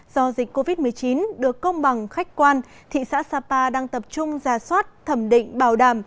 do dịch covid một mươi chín được công bằng khách quan thị xã sapa đang tập trung ra soát thẩm định bảo đảm